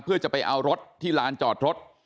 เพื่อจะไปเอารถที่ลานจอดรถ